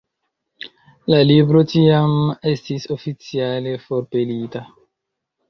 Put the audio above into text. La libro tiam estis oficiale forpelita.